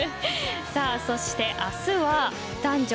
そして、明日は男女